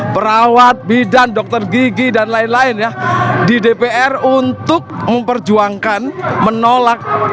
perawat bidan dokter gigi dan lain lain ya di dpr untuk memperjuangkan menolak